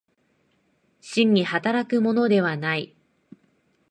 真に働くものではない。